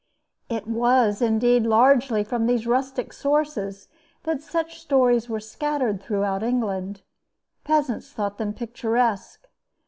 It was, indeed, largely from these rustic sources that such stories were scattered throughout England. Peasants thought them picturesque.